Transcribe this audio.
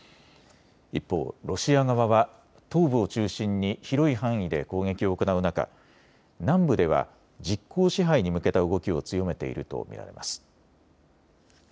一方、ロシア側は東部を中心に広い範囲で攻撃を行う中、南部では実効支配に向けた動きを強めていると見られます。